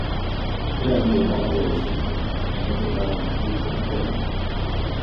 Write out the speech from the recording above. Eran como agua y aceite, no pegaban ni con cola